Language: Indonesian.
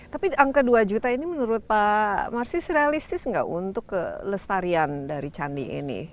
tapi angka dua juta ini menurut pak marsis realistis nggak untuk kelestarian dari candi ini